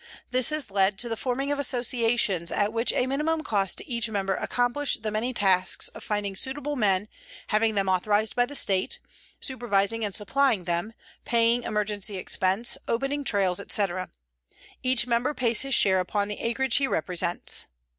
This has led to the forming of associations which at a minimum cost to each member accomplish the many tasks of finding suitable men, having them authorized by the State, supervising and supplying them, paying emergency expense, opening trails, etc. Each member pays his share upon the acreage he represents.